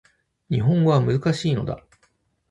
日本語は難しいのだ